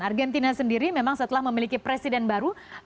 argentina sendiri memang setelah memiliki presiden baru